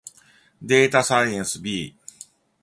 データサイエンス B